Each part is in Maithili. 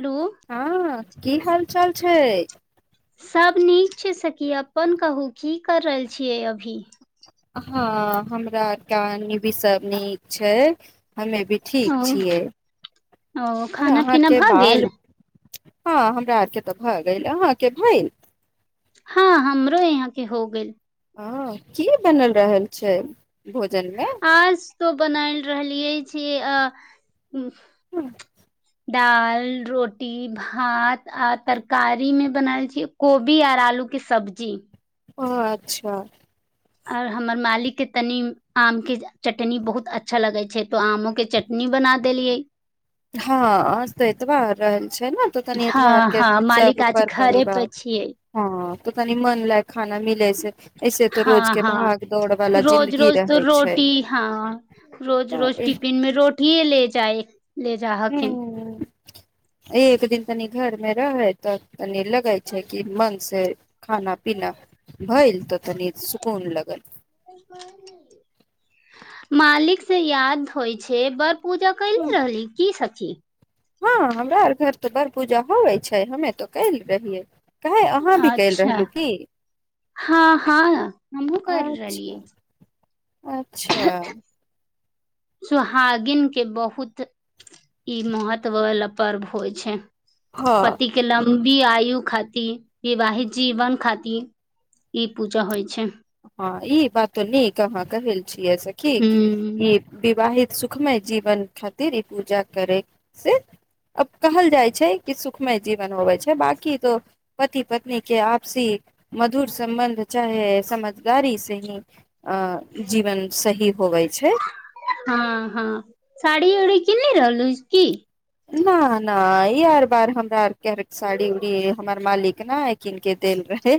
हेलो हँ की हाल चाल छै सब नीक छै सकी अपन कहू की कर रहल छियै अभी हँ हमरा आर के भी सब नीक छै हमे अभी ठीक ओ छियै ओ आर खाना पीना अहाँके भऽ गेल बाल हँ हमरा आरके तऽ भऽ गेल अहाँके भेल हँ हमरो यहाँ के हो गेल हँ की बनल रहल छै भोजनमे आज तो बनायल रहलियै छी आ ह्म दाल रोटी भात आ तरकारी में बनल छीये कोबी आर आलू के सब्जी ओ अच्छा आओर हमर मालिकके तनि आम के चटनी बहुत अच्छा लगै छै तो आमो के चटनी बना देलियै हँ तऽ एतबार रहल छै ने तऽ तनी एतबार हँ के हँ मालिक सब आज पर घरे पे परिवार छियै हँ त तनी मन लागै हँ हँ भाग दौड़ वाला रोज जिंन्दगी रोज त रहे छै रोटी हँ रोज रोज तऽ टिफिन मे रोटी ह ले चाय हू एक एक दिन तनी घर मे रहै तऽ कनी लगै छै कि मन से खाना पीना भैल तऽ तनी सकुन लगल मालिक से याद होइ छै ब पूजा कले रहली की स ज हँ हमरा आर घर तऽ बड़ पूजा होवे छै हमे तो कल रहियै काहे अहाँ भी कल अच्छा रहलु की हँ हँ हमहुँ कर अच्छा रहलियै अच्छा सुोहागनके बहुत ई महत्व वला पर्व होइ छै हँ पतिके नाम वि आयु खातिर विवाहित जीवन खातिर ई पूजा होइ छै ह ई बात न निक अहा कहल छीये से कि कि हूँ ई विवाहित सुखमय जीवन खातिर ई पूजा करै से अब कहल जाइ छै कि सुखमय जीवन होवे छै बाकी तो पति पत्नी के आपसी मधुर सम्बन्ध चाहे संबंध गाड़ी से ही अ जीवन सही होवै छै ी ओ कनि रहलू की न ना ई आर बार हमरा आरके साड़ी उड़ी हमर मालिक न कीन के देल रहे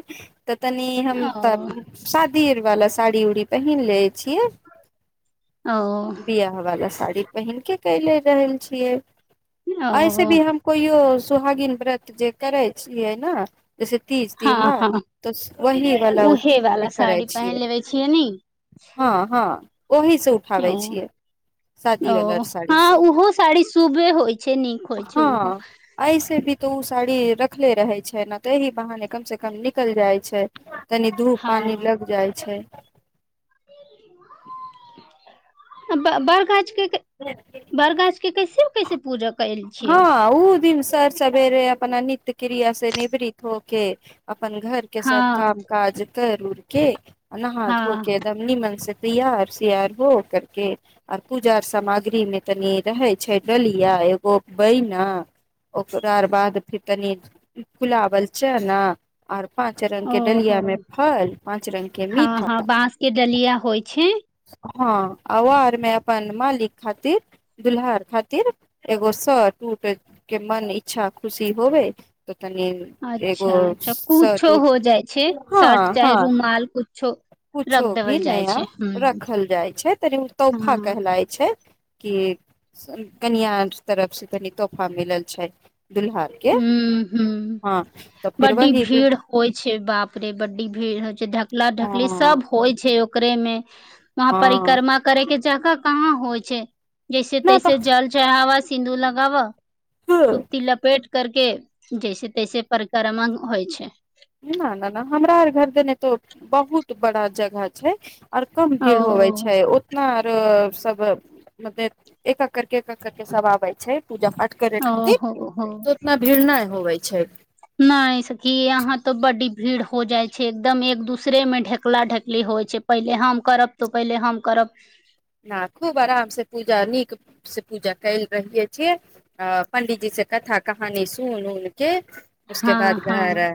तऽ तनी हम ओ पियर वाला साड़ी उड़ी पहिन ले छियै ओ बियाह वाला स पहिन के क ले रहल छियै ऐसे ओ भी हमको य सुहागिन व्रत जे करै छियै ने जैसे तीज हँ त्यौहार हँ त वही वाला उहे उठ वाला करै साड़ी पहिन छियै लेबे छियै ने हँ हँ वही से उठाबै ओ छियै शादी वाला ओ साड़ी हँ से ओहो साड़ी शुभे होइ छै नीक होइ छै ओहो हँ ऐसे भी त ओ साड़ी रख देखखले रहे छै ने तऽहि बहाने कम से कम निकल जाइ छै तनि धूप पानि लगि जाइ छै बरगाछके बड़गाछ के कैसे कैसे पूजा कैल हँ ओ दिन सर सवेरे अपना नित्य क्रिया से निवृत होके अपन घर के सब हँ काम काज कर उरकें नहा हँ धोके तब निमनसे तैयार सयार हो करके आर पूजा सामग्री मे तनी रहे छै डलिया बैना ओकरा आर बाद फेर तनी फुलाबल चना आर पाँच रंग के ओहो डलिया में फल पाँच रंग के हँ मीठा हँ बाँंस के डलिया होइ छै हँ आ आरमे अपन मालिक खातिर दुल्हा आ खातिर एगो स टूट के मन इच्छा खुशी होबे तनि एगो अच्छा अच्छा स कुछो रू हो जाइ छै शर्ट हँ चाहे हँ रुमाल कुछो रख कुछो देवल भी जाइ नया छै ह रखल जाइ छै तनी ओ ह तौफा कहलाय छै हिये कनिआ आर तरफ से तनी तोफा मिलल छै दुल्हार के हुँ हुँ हँ तऽ फिर बड्डी वही भीड़ होइ छै बाप रे बड्डी भीड़ होइ छै चूल्हा ढकली हँ सब होइ छै ओकर देमे वहाँ हँ परिक्रमा करेके जगह कहाँ होइ छै जैसे न तैसे जल चढ़ावा सिन्धुर लगाब तऽ सुती लपेट करके जैसे तैसे परिक्रमा होइ छै ना ना ना हमरा आर घर देने तो बहुत बड़ा जगह छै आऔर कम ओ भीड़ होवे छै उतना सब म एकक् करिक एक एकक् करिक सब आबै छै पूजा पाठ करै ओ खातिर हो हो त ओतना भीड़ नहि होबै छै नहि सखी यहाँ तऽ बड्डी भीड़ हो जाइ छै एकदम एक दूसरे मे ढकला ढकली होइ छै पहिले हम करब तऽ पहिले हम करब हँ खूब आरामसँ पूजा नीकसँ पूजा कयल रहिै छियै आ पण्डीजी से कथा कहानी सुन उन के उसके हँ बाद घर हँ आ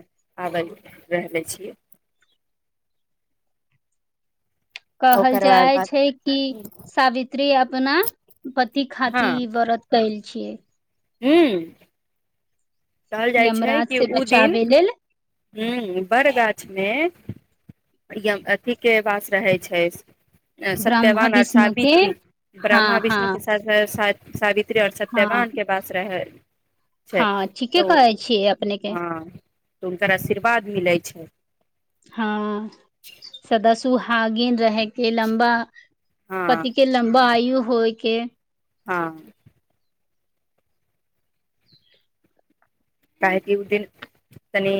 आबल रहै छियै कहल ओकर बाद जाइ बाद छै कि सावित्री अपतना पति खातिर व्रत कयल छियै हूँ यमराज से बचाबे लेल हू बड़ गाछ मे य अथी के वास रहै छै ब्रह्मा सत्यवान आर विष्णु के सावित्री हँ ब्रह्म हँ विष्णु के साथ शादी आओर हँ सत्यवान के पास रह छै हँ ठीके तऽ कहै छियै अपने के हँ तऽ हुनकर आशीर्वाद मिलैत छै हँ सदा सुहागिन रहय के के लम्बा हँ पति के लम्बा आयू य होइ के हँ काहेकि उ दिन तनि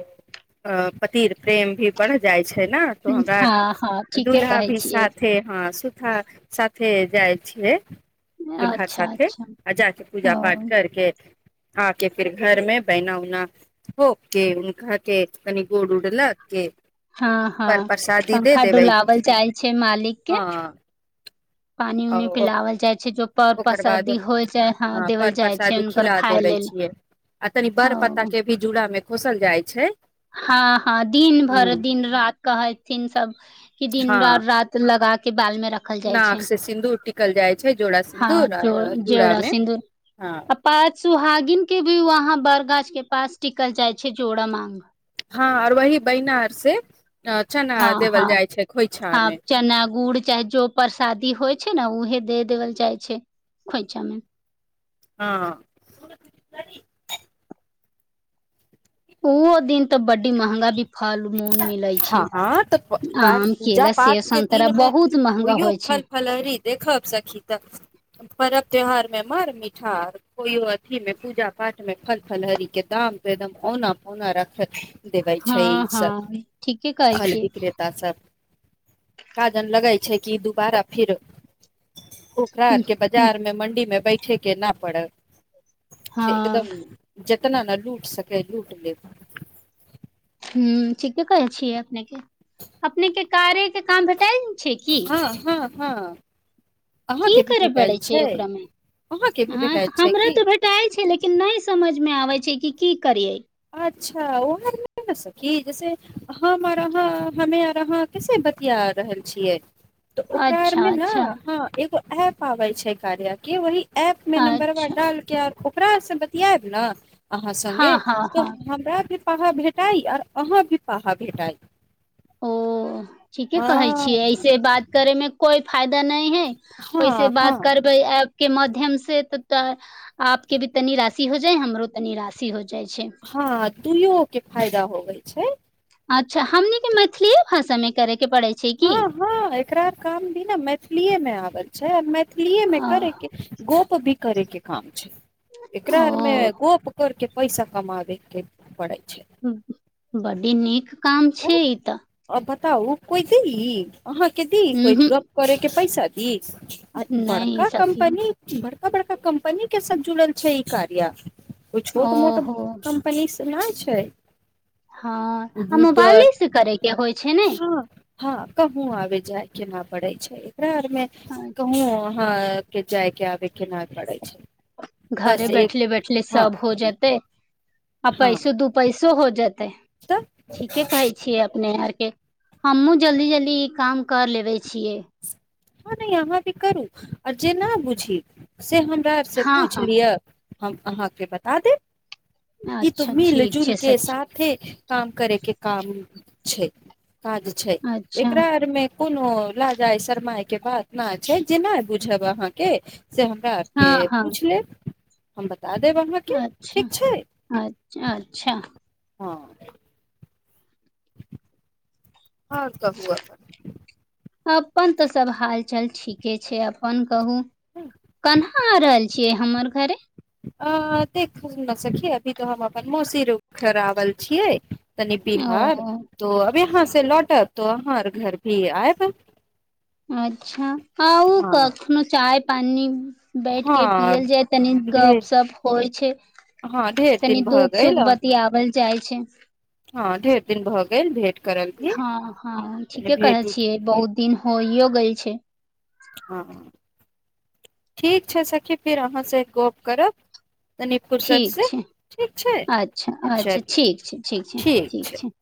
अ पति प्रेम भी बढ़ जाइ छै तो हमरा हँ हँ ठीके दुूल्हा कहै भी छियै साथे हँ सुधा सा से जाइ छिय दुल्हा अच्छा साथे अच्छा आ जा कऽ पूजा ओ पाठ करके आके फिर घर में बहना उना ोोक के उनका के कनि गोड़ उड लग के हँ पर हँ परसादी दे पंखा देबै डुलावल जाइ छै मालिक के हँ पानि आ उनी ओ पिलओल जाइ छै जो पर ओकर बाद पसरदी होइ जाइ हँ ह देवल पर जाइ छै प्रसादी हुनकर खिला खाय देबे लेल छियै आ तनि बर पत्ता हँ के भी जुड़ा मेमे खोसल जाइ छै हँ हँ दिन भरि ह दिन राति कहेथिन सब कि दिन र हँ रति लगााक के बालमे नाक से सिन्दूर टिकल जाइ छै जूड़ा हँ सिन्दूर जो आर जेड़ा जोड़ामे सिन्दूर हँ आ पात सुहागिन के भी वहां बड़गाछ के पास टिकल जाय छै जोड़ा माग हँ आर वही बैनर से चना हँ देवल हँ जाइ छै खोइछा हँ में चना गुड़ चाहे जो परसादी होइ छै ने ओ दे देवल जाइ छै खोइछामे हँ ओहो दिन तऽ बड़ी महंगा भी फल मूल मिलै छै ह तऽ आम पूजा केला पाठ सेब के संतरा दिनमे बहुत महंगा ओहियो होइ छै फल फलहरी देखब सखी त परब त्योहार मे मर मिठा कोइो अथी मे पूजा पाठ मे फल फलहारी के आ दाम त एकदम औना पौना रखत देबय हँ छै सब हँ ठीके कहै फल छियै बिकलेता सब खाजन लगा छै कि दुबारा फेर ओखरा आर हूँ के बाजार में मंडी मे बै छै के न पड़ै से हँ एकदम कतना ने लूट सकेै लूट लेत ह ठीके कहै छिय अपने के अपने के कार्यके काम भेटाए हँ हँ हँ की अहाँके भी करे पड़ै भेटायल छै ओकरामे अहाँके भी ह भेटायल छै हमरा की तऽ भेटाल छै लेकिन नहि समझमे आबै छै क की करियै अच्छा ओह न हेतय सखी जैसे हम आरहाँ हमे आर अहाँ कैसे बतिया रहल छियै तऽ ओकरा आर अच्छा मे ने अच्छा हँ एगो आ पाबै छै कार्य क वही ऐप मे नंबरवा अच्छा डाल के ओकरासँ बतियाएब ने अहाँ संगे हँ हँ तऽ हँ हमरा भ पाहा भेटाइ आर अहाँ भी पाहा भेटाइ ओ ठीके कहै हँ छियै ऐसे बात करे मे कोइ फाय नहि है ओहिस हँ बात हँ करबै के माध्यम से त त आपके भी तनी राशि हो जाए हमरो तनी राशि हो जाए जाइ छै दुूयो के फायदा होवे छै अच्छा हमनी के मैथिलीए भाषा मे करय हँ हँ एकरा काम भी ने मैथिलीएमे आबल छै आ मैथिलीएमे करयके गोप भी करेके काम छै एकरा आरमे ओ गोप कर के पैसा कम देे के पड़ै छै ब्डी नीक काम छै ई तऽ त ओ को छैी अहाँ के दी कोइ उहूँ गप्प करै के पैसा ई आ नहि बड़का सखी कम्पनी बड़ बड़का बड़का कम्पनी के सा जुड़ल छै ई कार्य ओ छोट मोट ओहो कम्पनी केना छै हँ हमु गूगल पालिश करे के होइ छै ने हँ हँ कहूँ आब जाइ केना पड़ै छै लग मे कहू अच्छा हाँ के जाइके आब के नहि पड़ै छै घरे बस एक बैठले बैठले हँ सभ हो जेतै आ हँ पैसो दू पैसो हो जा तब ठीके कहै छियै अपने आरके हमहूँ जल्दी जल्दी ई काम कर लेबै छियै हँ दईया हँ जी करु जेना बुझी से हमरा आर से हँ पूछि हँ लियअ हम अहाँके बता देब ई तो अच्छा मिल ठीक जुल छै के सखी साथे काम करैके काम छै काज छै अच्छा एकरा आर में कोनो लाजा शरमााय के बात न छै जे नहि बुझब अहाँके से हमरा हँ आपके हँ पूछ लेब हमबत अच्छा अ अच्छा हँ [inaudible] आओर सब कहू अपन तऽ सब हाल चाल ठीके छै अपन कहू कहना आ रहल छियै हमर घर अ देख ने सखिय अभी तऽ हम अपन मौसीर खड़आवल छियै तनी ओ बिहार तो अब यहाँ से लौटब तो आहाँ घर भी आयब अच्छा आऊ ओ हँ कखनो चाय पानी बैठ के पियल जाय तनि ढेर गप सप होइ छै हँ ढेर तनि दिन भऽ दुःख गेल सुख बतियावल जाइ छै हँ ढेर दिन भऽ गेल भेट करल भी हँ हँ कनि ठीके कहे उट छियै बहुत दिन हो इो गेल छै हँ ह ठीक छै सखी फेर अहाँसँ गप्प करब तनि फुर्सत ठीक से छै ठीक छै अच्छा अच्छा चलू ठीक छै ठीक छै ठीक छै